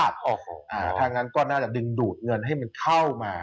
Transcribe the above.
ถ้างั้นก็น่าจะดึงดูดเงินให้มันเข้ามา